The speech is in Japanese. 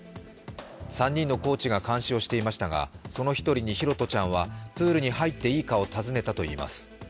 ３人のコーチが監視をしていましたが、その１人に拓杜ちゃんはプールに入っていいかを尋ねたといいます。